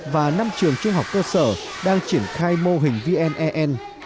và năm trường truyền học cơ sở đang triển khai mô hình vnen